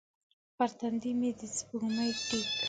پر تندې مې د سپوږمۍ ټیک